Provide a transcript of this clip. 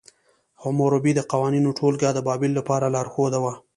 حموربي د قوانینو ټولګه د بابل لپاره لارښود وه.